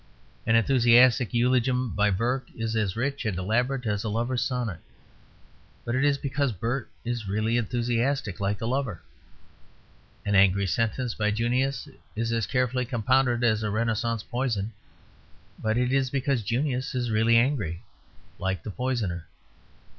An enthusiastic eulogium by Burke is as rich and elaborate as a lover's sonnet; but it is because Burke is really enthusiastic, like the lover. An angry sentence by Junius is as carefully compounded as a Renascence poison; but it is because Junius is really angry like the poisoner.